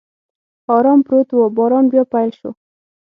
ارام پروت و، باران بیا پیل شو.